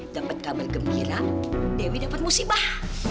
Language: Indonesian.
dapat kabar gembira dewi dapat musibah